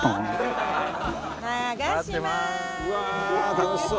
「楽しそう！」